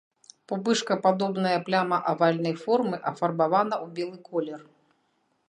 Пупышкападобная пляма авальнай формы афарбавана ў белы колер.